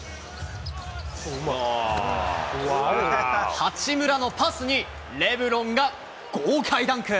八村のパスに、レブロンが豪快ダンク。